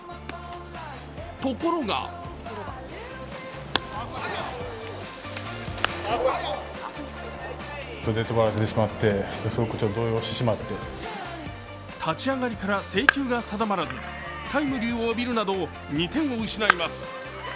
ところが立ち上がりから制球が定まらずタイムリーを浴びるなど２点を失います。